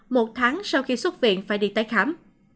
một tháng sau khi xuất viện phải đi tái khám